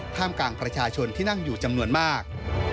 กลางประชาชนที่นั่งอยู่จำนวนมาก